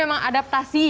jadi memang adaptasi